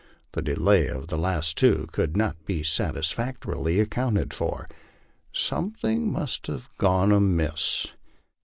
The delay of the last two could not be satisfactorily accounted for. Something must have gone amiss.